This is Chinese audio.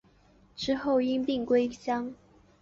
之后因病归乡。